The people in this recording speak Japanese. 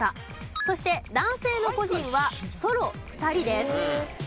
そして男性の故人はソロ２人です。